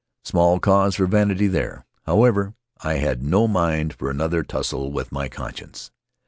Small cause for vanity there. However, I had no mind for another tussle with my conscience.